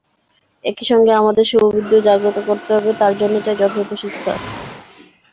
একই সঙ্গে আমাদের শুভবুদ্ধিও জাগ্রত করতে হবে, তার জন্য চাই যথাযথ শিক্ষা।